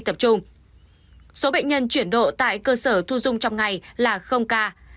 trong số bệnh nhân chuyển độ tại cơ sở thu dung trong ngày là ca